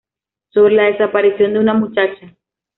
Sobre la desaparición de una muchacha.